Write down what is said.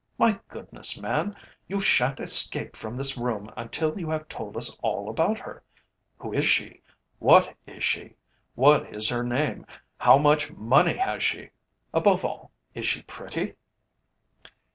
My goodness, man, you shan't escape from this room until you have told us all about her! Who is she? What is she? What is her name? How much money has she? Above all, is she pretty?"